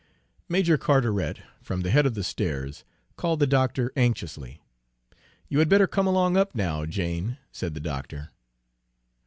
Major Carteret, from the head of the stairs, called the doctor anxiously. "You had better come along up now, Jane," said the doctor.